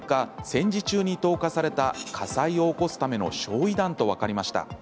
戦時中に投下された火災を起こすための焼い弾と分かりました。